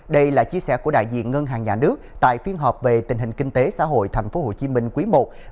đây là chia sẻ của đại diện ngân hàng nhà nước tại phiên họp về tình hình kinh tế xã hội tp hcm quý i